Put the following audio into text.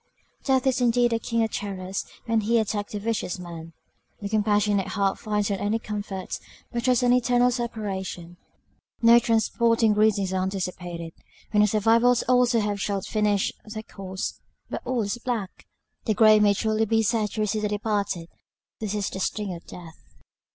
Death is indeed a king of terrors when he attacks the vicious man! The compassionate heart finds not any comfort; but dreads an eternal separation. No transporting greetings are anticipated, when the survivors also shall have finished their course; but all is black! the grave may truly be said to receive the departed this is the sting of death!